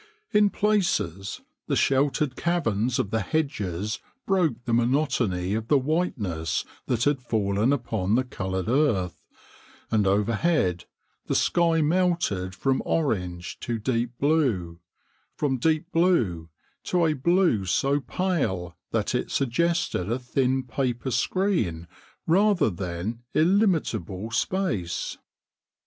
In places the sheltered caverns of the hedges broke the monotony of the whiteness that had fallen upon the coloured earth, and overhead the sky melted from orange to deep blue, from deep blue to a blue so pale that it suggested a thin paper screen rather than illimitable space.